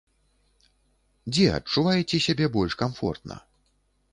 Дзе адчуваеце сябе больш камфортна?